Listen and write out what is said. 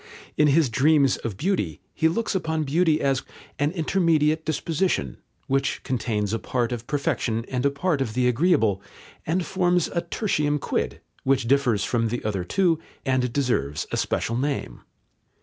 In his Dreams of Beauty, he looks upon beauty as "an intermediate disposition," which contains a part of perfection and a part of the agreeable, and forms a tertium quid, which differs from the other two and deserves a special name.